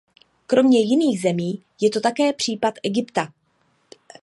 Kromě jiných zemí je to také případ Egypta.